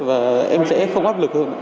và em sẽ không áp lực hơn